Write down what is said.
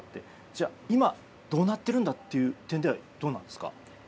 じゃあ今、どうなってるんだ？という点はどうなんですか。